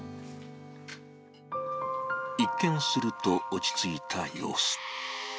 一見すると、落ち着いた様子。